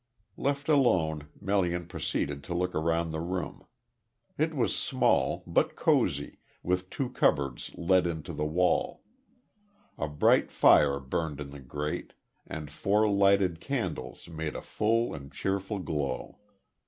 Left alone, Melian proceeded to look round the room. It was small but cosy, with two cupboards let into the wall. A bright fire burned in the grate, and four lighted candles made a full and cheerful glow.